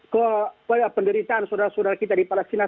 ke penderitaan saudara saudara kita di palestina